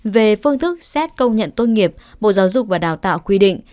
về phương thức xét công nhận tốt nghiệp bộ giáo dục và đào tạo quy định